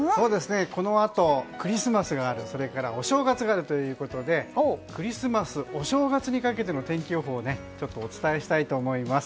このあとクリスマスがあるそれからお正月があるということでクリスマス、お正月にかけての天気予報をお伝えしたいと思います。